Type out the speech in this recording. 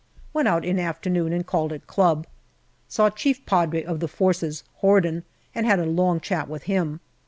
Went out in afternoon and called at Club. Saw Chief Padre of the Forces, Horden, and had a long chat with him.